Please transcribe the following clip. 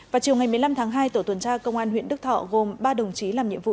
vào chiều ngày một mươi năm tháng hai tổ tuần tra công an huyện đức thọ gồm ba đồng chí làm nhiệm vụ